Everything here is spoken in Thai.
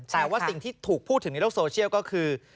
แต่ว่าสิ่งที่ถูกพูดถึงในโลกโซเชียลก็คือ